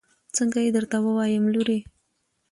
څنګه يې درته ووايم لورې.